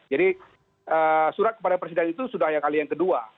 jadi surat kepada presiden itu sudah yang kali yang kedua